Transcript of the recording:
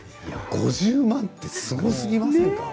５０万ってすごすぎませんか。